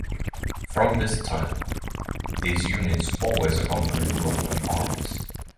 From this time, these units always accompanied Roman armies.